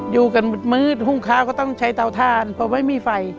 อยู่กันมืดหุ้งข้าวก็ต้องใช้เตาทานเพราะไม่มีไฟ